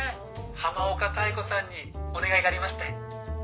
浜岡妙子さんにお願いがありまして。